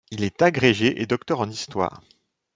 Il est agrégé et docteur en histoire.